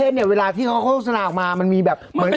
สวยเนี่ย